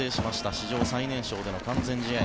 史上最年少での完全試合。